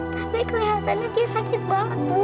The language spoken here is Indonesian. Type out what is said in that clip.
tapi kelihatannya dia sakit banget